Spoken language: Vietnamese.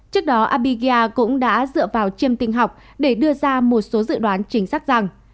trước đó abiga cũng đã dựa vào chiêm tinh học để đưa ra một số dự đoán chính xác rằng